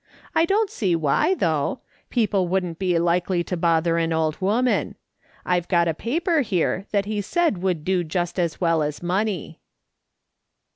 I don't see why, though ; people wouldn't be likely to bother an old woman. I've got a paper here that he said would do just as well as money."